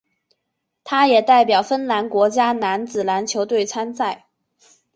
他也代表芬兰国家男子篮球队参赛。